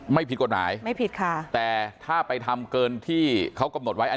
ไม่ผิดกฎหมายไม่ผิดค่ะแต่ถ้าไปทำเกินที่เขากำหนดไว้อัน